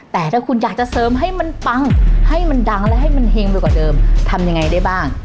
แต่ถ้าคุณอยากจะเสริมให้มันปังให้มันดังและให้มันเฮงไปกว่าเดิมทำยังไงได้บ้าง